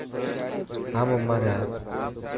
هم عمر هي.